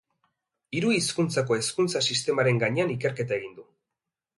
Hiru hizkuntzako hezkuntza sistemaren gainean ikerketa egin du.